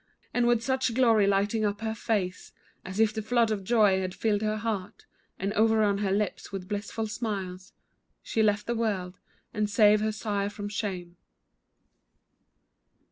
And with such glory lighting up her face, As if the flood of joy had filled her heart, And overrun her lips with blissful smiles She left the world, and saved her sire from shame.